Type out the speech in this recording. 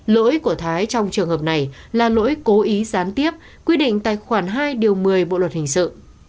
lỗi của thái trong trường hợp này là lỗi cố ý gián tiếp quy định tài khoản hai điều một mươi bộ luật hình sự